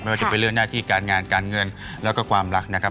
ว่าจะเป็นเรื่องหน้าที่การงานการเงินแล้วก็ความรักนะครับ